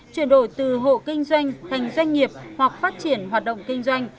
chuyển đổi từ hộ kinh doanh thành doanh nghiệp hoặc phát triển hoạt động kinh doanh